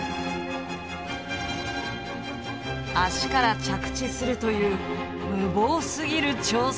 足から着地するという無謀すぎる挑戦。